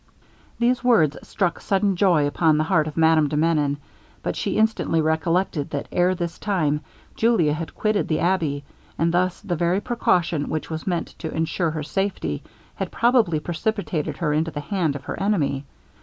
These words struck sudden joy upon the heart of Madame de Menon, but she instantly recollected, that ere this time Julia had quitted the abbey, and thus the very precaution which was meant to ensure her safety, had probably precipitated her into the hand of her enemy.